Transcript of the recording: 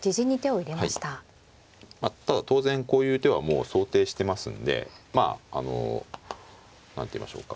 まあただ当然こういう手はもう想定してますんでまああの何ていいましょうか。